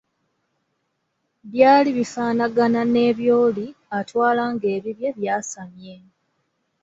Byaali bifaanagana n’ebyoli atwala ng’ebibye byasamye.